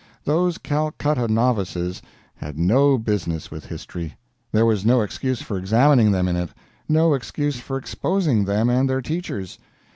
Those Calcutta novices had no business with history. There was no excuse for examining them in it, no excuse for exposing them and their teachers.